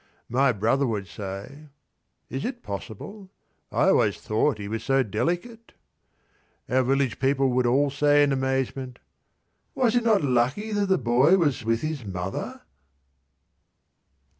My brother would say, "Is it possible? I always thought he was so delicate!" Our village people would all say in amazement, "Was it not lucky that the boy was with his mother?"